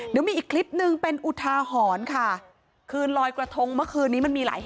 เดี๋ยวมีอีกคลิปหนึ่งเป็นอุทาหอนค่ะ